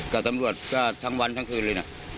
กับตำรวจก็ทั้งวันทั้งคืนเลยนะ